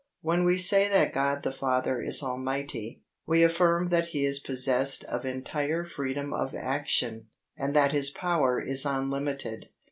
When we say that God the Father is Almighty, we affirm that He is possessed of entire freedom of action, and that His power is unlimited.